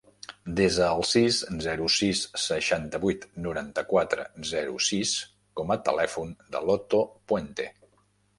Desa el sis, zero, sis, seixanta-vuit, noranta-quatre, zero, sis com a telèfon de l'Otto Puente.